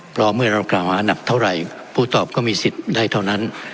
เพราะเมื่อเรากล่าวหาหนักเท่าไหร่ผู้ตอบก็มีสิทธิ์ได้เท่านั้น